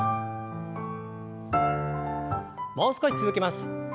もう少し続けます。